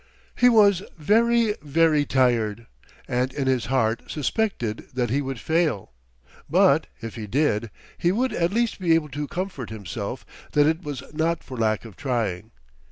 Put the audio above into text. He was very, very tired, and in his heart suspected that he would fail. But, if he did, he would at least be able to comfort himself that it was not for lack of trying.